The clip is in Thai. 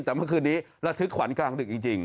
แต่เมื่อคืนนี้ระทึกขวัญกลางดึกจริง